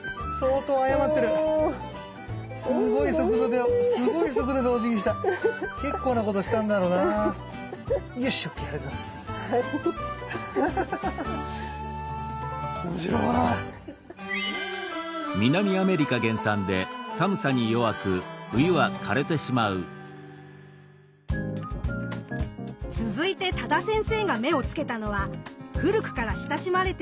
続いて多田先生が目をつけたのは古くから親しまれている園芸植物